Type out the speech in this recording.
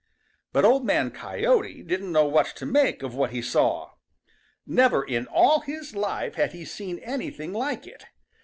But Old Man Coyote didn't know what to make of what he saw. Never in all his life had he seen anything like it.